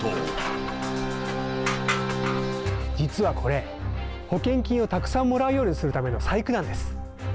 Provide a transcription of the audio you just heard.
実はこれ、保険金をたくさんもらうようにするための細工なんです。